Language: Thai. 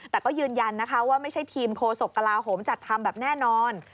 แต่ก็ยืนยันนะคะว่าไม่ใช่ทีมโคศกกลาโหมจัดทำแบบแน่นอน